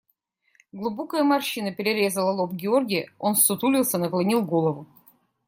Глубокая морщина перерезала лоб Георгия, он ссутулился, наклонил голову.